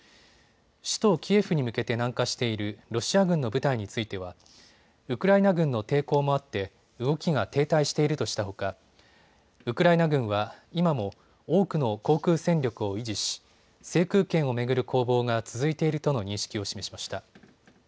首都キエフに向けて南下しているロシア軍の部隊についてはウクライナ軍の抵抗もあって動きが停滞しているとしたほかウクライナ軍は今も多くの航空戦力を維持し制空権を巡る攻防が続いているとの認識を示しました。